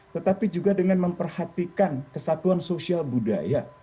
tetapi juga dengan memperhatikan kesatuan sosial budaya